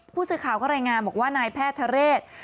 ผู้สื่อข่าวก็รายงานบอกว่านายแพทย์ทะเรศ